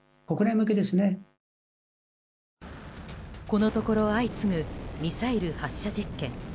このところ相次ぐミサイル発射実験。